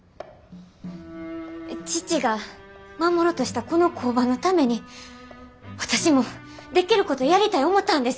父が守ろうとしたこの工場のために私もできることやりたい思たんです。